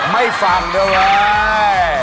ไม่ฟังด้วย